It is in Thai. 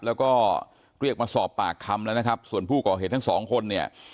แล้วก็เรียกมาสอบปากคำแล้วนะครับส่วนผู้ก่อเหตุทั้งสองคนเนี่ย